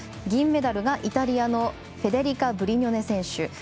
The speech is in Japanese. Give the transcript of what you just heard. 銀メダルがイタリアのフェデリカ・ブリニョネ選手。